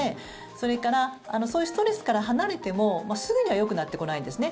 それからそういうストレスから離れてもすぐにはよくなってこないんですね。